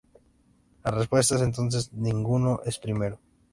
La respuesta es entonces "ninguno es primero".